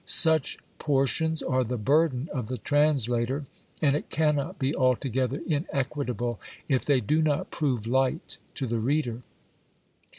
Such portions are the burden of the translator, and it cannot be altogether inequitable if they do not prove light to the reader.